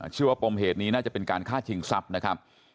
ปมเหตุนี้น่าจะเป็นการฆ่าชิงทรัพย์นะครับ